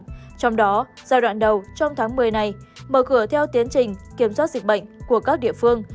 trong đó giai đoạn đầu trong tháng một mươi này mở cửa theo tiến trình kiểm soát dịch bệnh của các địa phương